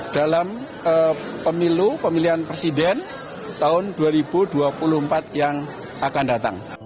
dalam pemilu pemilihan presiden tahun dua ribu dua puluh empat yang akan datang